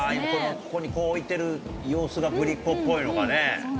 ここにこう置いてる、様子がぶりっ子っぽいのかね。